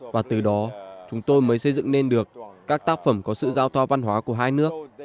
và từ đó chúng tôi mới xây dựng nên được các tác phẩm có sự giao toa văn hóa của hai nước